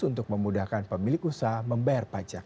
untuk memudahkan pemilik usaha membayar pajak